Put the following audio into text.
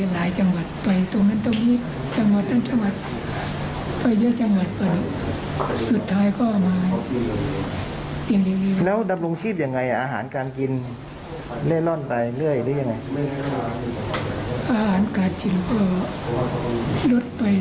แล้วดับลงชีพยังไงอาหารการกินเล่นร่อนไปเหนื่อยหรือยังไง